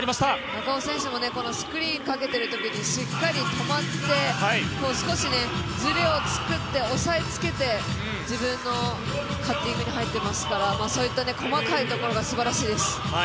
赤穂選手もスクリーンかけてるときにしっかり止まって少しズレをつくって押さえつけて自分のカッティングに入っていますからそういった細かいところがすばらしいです。